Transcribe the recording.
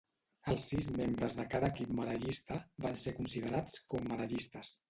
Els sis membres de cada equip medallista van ser considerats com medallistes.